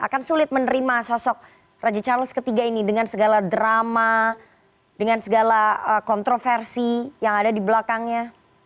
akan sulit menerima sosok raja charles iii ini dengan segala drama dengan segala kontroversi yang ada di belakangnya